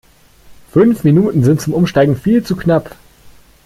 Fünf Minuten sind zum Umsteigen viel zu knapp.